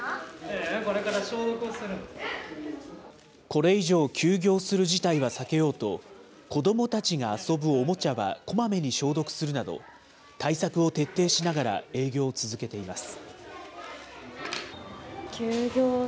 これ以上、休業する事態は避けようと、子どもたちが遊ぶおもちゃはこまめに消毒するなど、対策を徹底しながら、営業を続けています。